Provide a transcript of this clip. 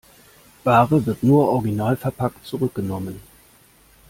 Ware wird nur originalverpackt zurückgenommen.